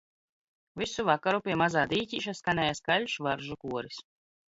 Visu vakaru pie mazā dīķīša skanēja skaļš varžu koris